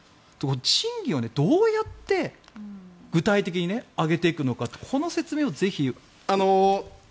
賃金をどうやって具体的に上げていくのかってこの説明をぜひ。